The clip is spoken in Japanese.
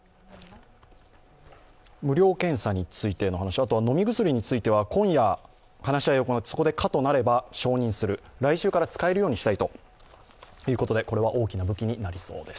無料検査についての話、あとは飲み薬については今夜話し合いを行ってそこで可となれば承認する、来週から使えるようにしたいということで、これは大きな武器になりそうです。